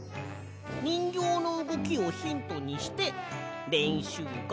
にんぎょうのうごきをヒントにしてれんしゅうがんばってね。